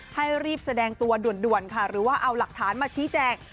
ให้รีบแสดงตัวด่วนค่ะหรือว่าเอาหลักฐานมาชี้แจง